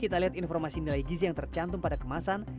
karena kita lihat informasi nilai gizi yang tercantum pada kemasan